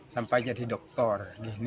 sampai jadi dokter